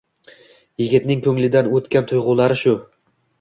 Yigitning ko‘nglidan o‘tgan tuyg‘ulari shu.